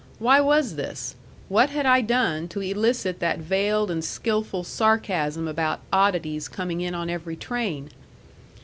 Why was this? What had I done to elicit that veiled and skilful sarcasm about oddities coming in on every train?